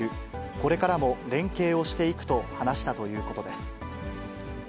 これからも連携をしていくと話したということです。